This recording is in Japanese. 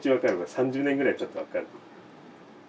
３０年ぐらいたったらわかる。